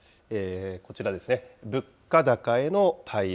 こちらですね、物価高への対応